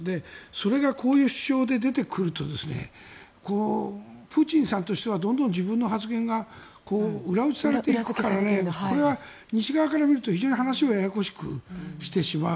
それがこういう主張で出てくるとプーチンさんとしてはどんどん自分の発言が裏打ちされていくからこれは西側から見ると非常に話をややこしくしてしまう。